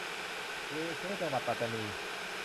กรือเซะ - จังหวัดปัตตานี